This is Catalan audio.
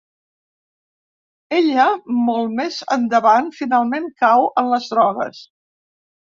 Ella, molt més endavant, finalment cau en les drogues.